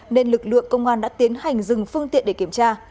nên lực lượng công an đã tiến hành dừng phương tiện để kiểm tra